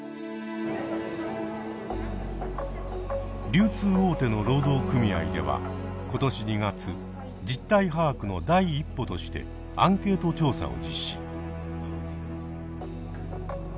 流通大手の労働組合では今年２月実態把握の第一歩としてアンケート調査を実施。